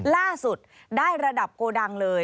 ล่าสุดได้ระดับโกดังเลย